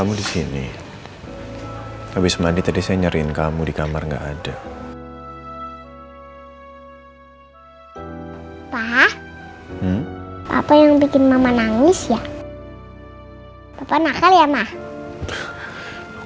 boleh oma dimana nih oma lempat ya situ ya